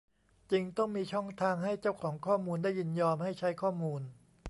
จริงต้องมีช่องทางให้เจ้าของข้อมูลได้ยินยอมให้ใช้ข้อมูล